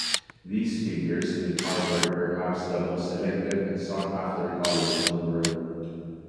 These figures make Harvard perhaps the most selective and sought-after college in the world.